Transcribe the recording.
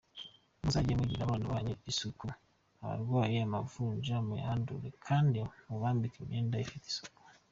Muzajye mugirira abana banyu isuku, abarwaye amavunja muyahandure, kandi mubambike n’imyenda ifite isuku.